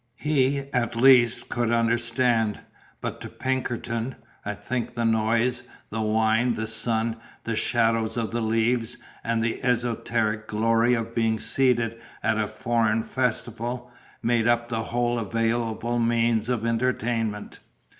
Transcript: He at least could understand; but to Pinkerton, I think the noise, the wine, the sun, the shadows of the leaves, and the esoteric glory of being seated at a foreign festival, made up the whole available means of entertainment.